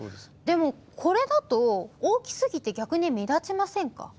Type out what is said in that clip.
でも、これだと、大きすぎて逆に目立ちませんか？